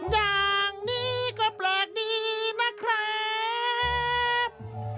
อย่างนี้ก็แปลกดีนะครับ